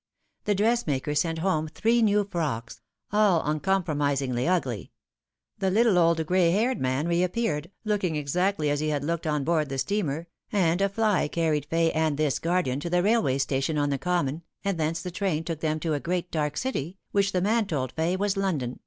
The dressmaker sent home three new frocks, all uncompromisingly ugly ; the little old gray haired man reappeared, looking exactly as he had looked on board the steamer, and a fly carried Fay and this guardian to the railway station on the common, and thence the train took them to a groat dark city, which the man told Fay was London, 28 The Fatal Three.